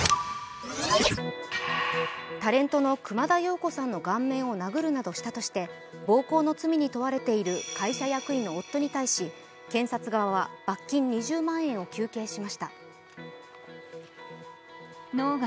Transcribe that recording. タレントの熊田曜子さんの顔面を殴るなどしたとして暴行の罪に問われている会社役員の夫に対し検察側は罰金２０万円を求刑しました。